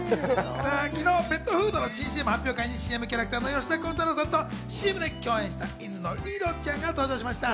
昨日、ペットフードの新ＣＭ発表会にＣＭキャラクターの吉田鋼太郎さんとＣＭで共演した犬のリロちゃんが登場しました。